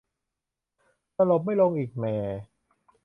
สลบไม่ลงอีก แหม่